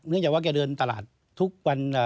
เนื่องจากว่าเขาเดินตลาดทุกวัน